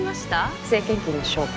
不正献金の証拠。